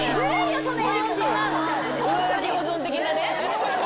上書き保存的なね。